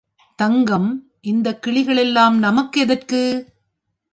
தங்கம், இந்தக் கிளிகளெல்லாம் நமக்கு எதற்கு?